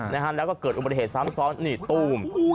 แล้วก็เกิดอุบัติเหตุซ้ำซ้อนนี่ตู้ม